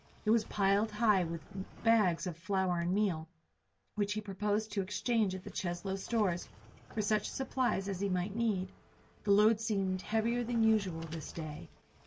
It was piled high with bags of flour and meal, which he proposed to exchange at the Cheslow stores for such supplies as he might need. The load seemed heavier than usual this day.